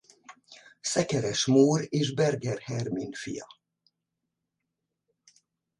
Szekeres Mór és Berger Hermin fia.